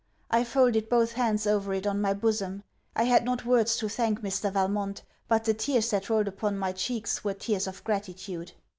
I folded both hands over it on my bosom. I had not words to thank Mr. Valmont; but the tears that rolled upon my cheeks were tears of gratitude.